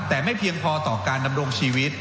แต่ไม่เพียงพอต่อการดำรงชีวิต